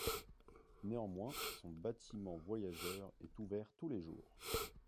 Néanmoins son bâtiment voyageurs est ouvert tous les jours.